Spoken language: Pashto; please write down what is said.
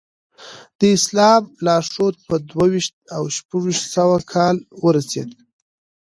د اسلام لارښود په دوه ویشت او شپږ سوه کال ورسېد.